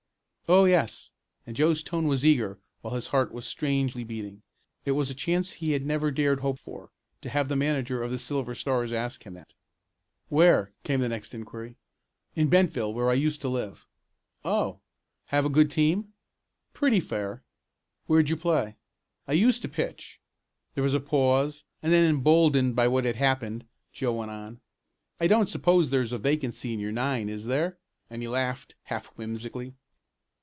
"Oh, yes," and Joe's tone was eager while his heart was strangely beating. It was a chance he had never dared hope for, to have the manager of the Silver Stars ask him that. "Where?" came the next inquiry. "In Bentville, where I used to live." "Oh. Have a good team?" "Pretty fair." "Where'd you play?" "I used to pitch." There was a pause and then, emboldened by what had happened, Joe went on. "I don't suppose there's a vacancy in your nine, is there?" and he laughed half whimsically.